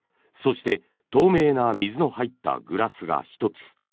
そして、透明な水の入ったグラスが１つ。